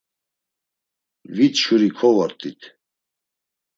Vit şuri kovort̆it.